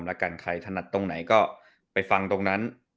แล้วกันใครถนัดตรงไหนก็ไปฟังตรงนั้น